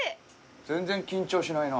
全然緊張しないな。